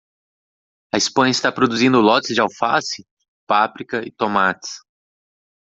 A Espanha está produzindo lotes de alface? páprica e tomates.